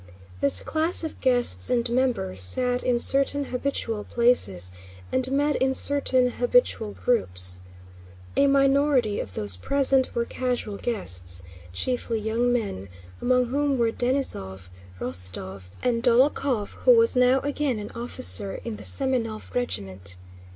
This class of guests and members sat in certain habitual places and met in certain habitual groups. A minority of those present were casual guests—chiefly young men, among whom were Denísov, Rostóv, and Dólokhov—who was now again an officer in the Semënov regiment.